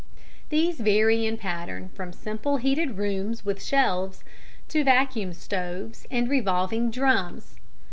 These vary in pattern from simple heated rooms, with shelves, to vacuum stoves and revolving drums.